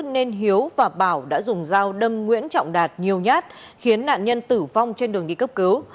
nên hiếu và bảo đã dùng dao đâm nguyễn trọng đạt nhiều nhát khiến nạn nhân tử vong trên đường đi cấp cứu